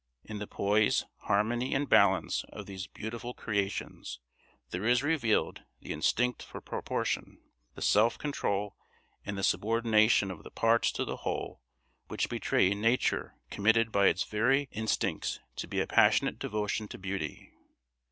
In the poise, harmony, and balance of these beautiful creations there is revealed the instinct for proportion, the self control and the subordination of the parts to the whole which betray a nature committed by its very instincts to a passionate devotion to beauty.